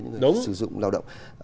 những người sử dụng lao động